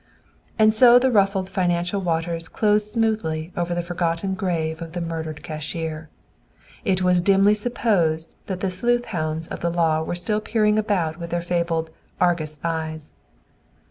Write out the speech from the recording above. And so the ruffled financial waters closed smoothly over the forgotten grave of the murdered cashier. It was dimly supposed that the "sleuth hounds" of the law were still peering about with their fabled "argus eyes."